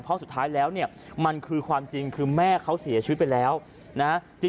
เพราะสุดท้ายแล้วเนี่ยมันคือความจริงคือแม่เขาเสียชีวิตไปแล้วนะ